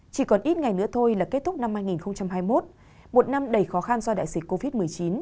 chỉ còn ít ngày nữa thôi là kết thúc năm hai nghìn hai mươi một một năm đầy khó khăn do đại dịch covid một mươi chín